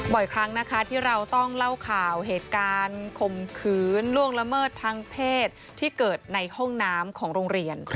บ่อยครั้งนะคะที่เราต้องเล่าข่าวเหตุการณ์ข่มขืนล่วงละเมิดทางเพศที่เกิดในห้องน้ำของโรงเรียน